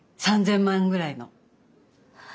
３，０００万ぐらいの。